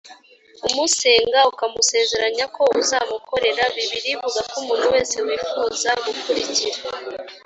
umusenga ukamusezeranya ko uzamukorera bibiliya ivuga ko umuntu wese wifuza gukurikira